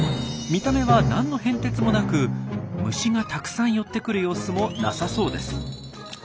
見た目は何の変哲もなく虫がたくさん寄ってくる様子もなさそうです。